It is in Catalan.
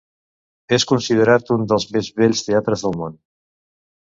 És considerat un dels més bells teatres del món.